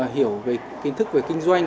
hiểu về kiến thức về kinh doanh